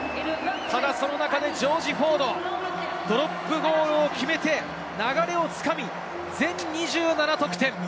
ただ、その中でジョージ・フォード、ドロップゴールを決めて流れをつかみ、全２７得点。